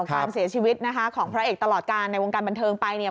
ความเสียชีวิตของพระเอกตลอดกาลในวงการบันเทิงไป